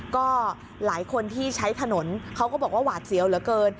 ก็หลายคนที่ใช้ถนนเขาก็บอกว่าหวาดเสียวเหลือเกิน